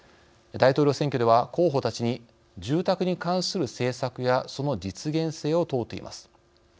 大統領選挙では、候補たちに住宅に関する政策やその実現性を問うています。